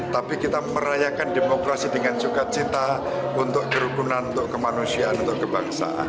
tapi kita merayakan demokrasi dengan sukacita untuk kerukunan untuk kemanusiaan untuk kebangsaan